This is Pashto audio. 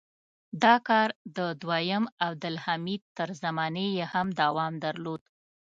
دا کار د دویم عبدالحمید تر زمانې یې هم دوام درلود.